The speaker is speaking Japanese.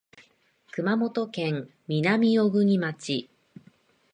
熊本県南小国町